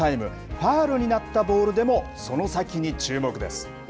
ファウルになったボールでも、その先に注目です。